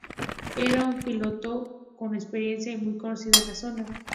Era un piloto con experiencia y muy conocido en la zona.